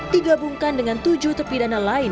digabungkan dengan tujuh terpidana lain